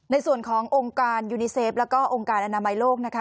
ในส่วนขององค์การยูนิเซฟแล้วก็องค์การอนามัยโลกนะคะ